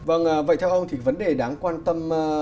vâng vậy theo ông thì vấn đề đáng quan tâm